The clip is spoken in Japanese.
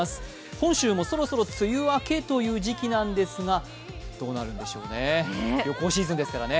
本州もそろそろ梅雨明けという時期なんですが、どうなるんでしょうね旅行シーズンですからね。